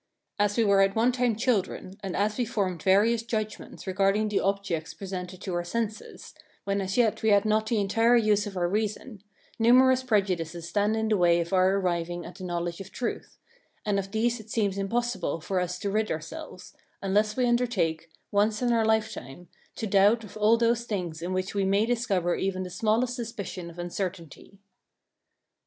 As we were at one time children, and as we formed various judgments regarding the objects presented to our senses, when as yet we had not the entire use of our reason, numerous prejudices stand in the way of our arriving at the knowledge of truth; and of these it seems impossible for us to rid ourselves, unless we undertake, once in our lifetime, to doubt of all those things in which we may discover even the smallest suspicion of uncertainty.